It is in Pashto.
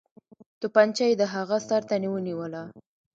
توپنچه یې د هغه سر ته ونیوله.